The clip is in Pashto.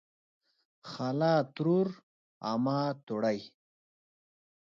خاله ترور امه توړۍ